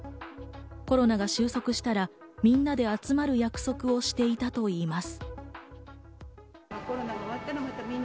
コロナが収束したら、みんなで集まる約束をしていたといいます。